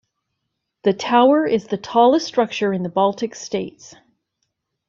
The tower is the tallest structure in the Baltic states.